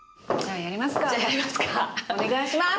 お願いします！